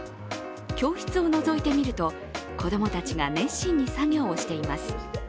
教室をのぞいてみると子供たちが熱心に作業しています。